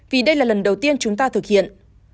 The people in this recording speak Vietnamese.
vì đây là lần đầu tiên chúng ta thực hiện